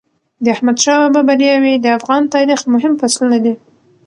د احمدشاه بابا بریاوي د افغان تاریخ مهم فصلونه دي.